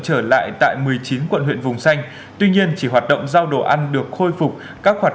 trở lại tại một mươi chín quận huyện vùng xanh tuy nhiên chỉ hoạt động giao đồ ăn được khôi phục các hoạt